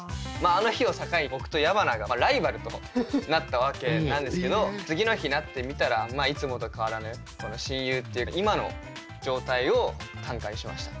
あの日を境に僕と矢花がライバルとなったわけなんですけど次の日になってみたらいつもと変わらぬこの親友っていう今の状態を短歌にしました。